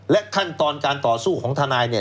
ขั้นตอนการต่อสู้ของทนายเนี่ย